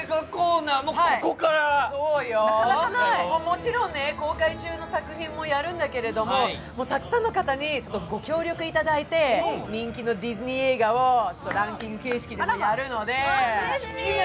そうよ、もちろん公開中の作品もやるんだけれども、たくさんの方にご協力いただいて人気のディズニー映画をランキング形式でやるので。